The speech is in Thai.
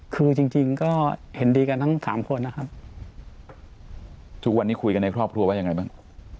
คือจริงก็เห็นดีกันทั้งสามคนนะครับทุกวันนี้คุยกันในครอบครัวว่ายังไงบ้าง